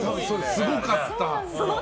すごかった。